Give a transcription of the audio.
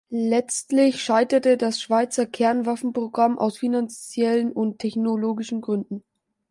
Letztlich scheiterte das Schweizer Kernwaffenprogramm aus finanziellen und technologischen Gründen.